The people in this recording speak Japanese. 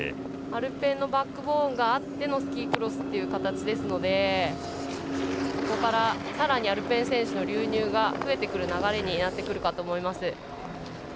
アルペンのバックボーンがあってスキークロスという形ですのでここからさらにアルペン選手の流入が増えてくる流れになってくるかと思います。